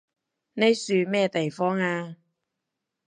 呢樹咩地方啊？